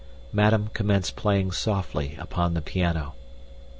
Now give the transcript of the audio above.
Madame commenced playing softly upon the piano.